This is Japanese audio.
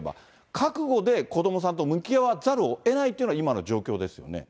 覚悟で子どもさんと向き合わざるをえないというのが今の状況ですよね。